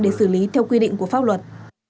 để xử lý theo quy định của pháp luật